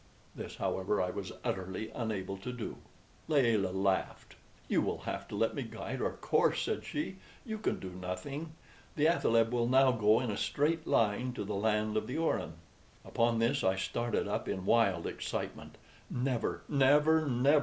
This, however, I was utterly unable to do. Layelah laughed. "You will have to let me guide our course," said she. "You can do nothing. The athaleb will now go in a straight line to the land of the Orin." Upon this I started up in wild excitement. "Never, never, never!"